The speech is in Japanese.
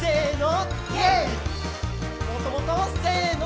もっともっと！せの！